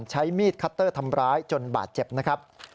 ใช้มีดคัตเตอร์ทำร้ายจนบาดเจ็บนะครับ